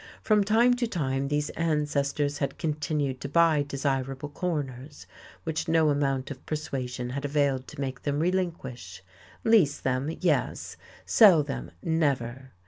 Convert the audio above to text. From time to time these ancestors had continued to buy desirable corners, which no amount of persuasion had availed to make them relinquish. Lease them, yes; sell them, never!